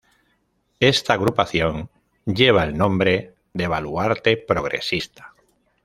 Esta agrupación lleva el nombre de Baluarte Progresista.